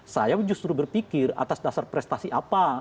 saya justru berpikir atas dasar prestasi apa